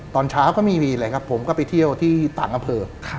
ตอนเช้าก็ไม่มีเลยครับผมก็ไปเที่ยวที่ต่างอำเภอ